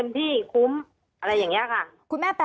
ตอนที่จะไปอยู่โรงเรียนนี้แปลว่าเรียนจบมไหนคะ